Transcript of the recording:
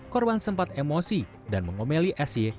korban sempat emosi dan mengomeli s y